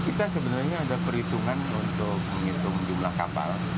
kita sebenarnya ada perhitungan untuk menghitung jumlah kapal